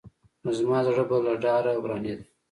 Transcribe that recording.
نو زما زړه به له ډاره ورانېده.